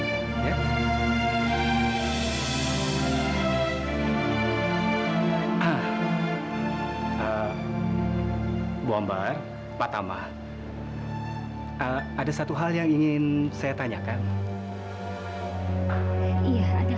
hai ah ah ah hai bomber patamah hai alat ada satu hal yang ingin saya tanyakan iya ada